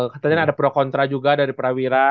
katanya ada pro kontra juga dari prawira